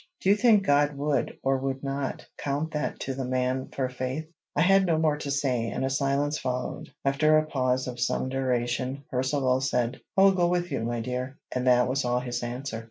Do you think God would, or would not, count that to the man for faith?" I had no more to say, and a silence followed. After a pause of some duration, Percivale said, "I will go with you, my dear;" and that was all his answer.